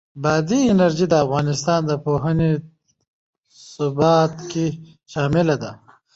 بادي انرژي د افغانستان د پوهنې نصاب کې شامل دي.